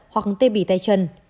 hoặc tê bì tay chân